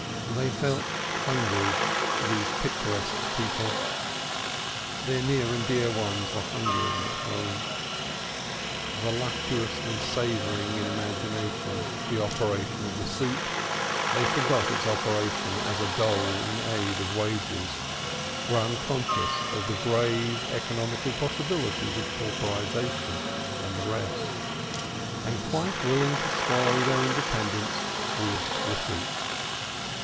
They felt hungry, these picturesque people; their near and dear ones were hungering at home. Voluptuously savoring in imagination the operation of the soup, they forgot its operation as a dole in aid of wages; were unconscious of the grave economical possibilities of pauperization and the rest, and quite willing to swallow their independence with the soup.